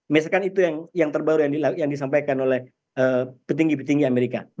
misalkan itu yang terbaru yang disampaikan oleh petinggi petinggi amerika